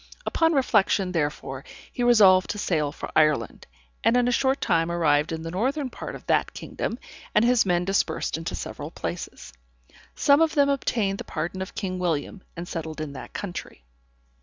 Upon reflection, therefore, he resolved to sail for Ireland, and in a short time arrived in the northern part of that kingdom, and his men dispersed into several places. Some of them obtained the pardon of King William, and settled in that country.